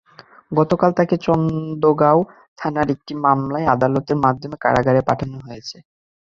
গতকাল তাকে চান্দগাঁও থানার একটি মামলায় আদালতের মাধ্যমে কারাগারে পাঠানো হয়েছে।